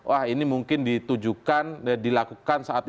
wah ini mungkin ditujukan dilakukan saat ini